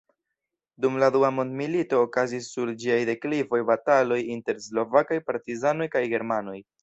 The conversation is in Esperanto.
Dum la Dua mondmilito okazis sur ĝiaj deklivoj bataloj inter slovakaj partizanoj kaj germanoj.